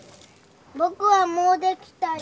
僕はもうできたよ。